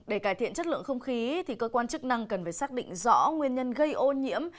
để cải thiện chất lượng không khí thì cơ quan chức năng cần phải xác định rõ nguyên nhân gây ô nhiễm